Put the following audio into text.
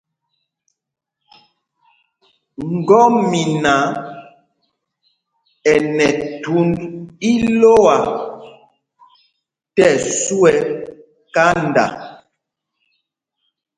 Ŋgɔ́mina ɛ nɛ thūnd ílɔ́a tí ɛsu ɛ́ kanda.